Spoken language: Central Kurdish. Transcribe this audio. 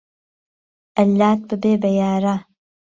ئەللات ببێ به یاره